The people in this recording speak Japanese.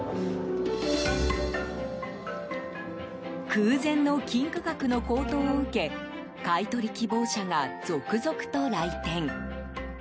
空前の金価格の高騰を受け買い取り希望者が続々と来店。